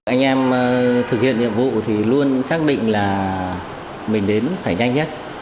anh em thực hiện nhiệm vụ thì luôn xác định là mình đến phải nhanh nhất